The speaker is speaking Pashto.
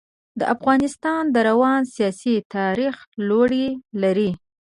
د افغانستان د روان سیاسي تاریخ لوړې لري.